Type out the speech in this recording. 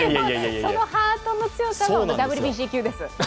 そのハートの強さがＷＢＣ級です。